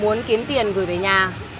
muốn kiếm tiền gửi về nhà